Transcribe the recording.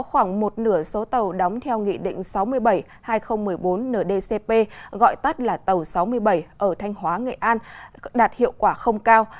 khoảng một nửa số tàu đóng theo nghị định sáu mươi bảy hai nghìn một mươi bốn ndcp gọi tắt là tàu sáu mươi bảy ở thanh hóa nghệ an đạt hiệu quả không cao